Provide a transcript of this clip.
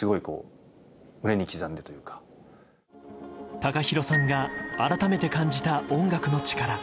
ＴＡＫＡＨＩＲＯさんが改めて感じた音楽の力。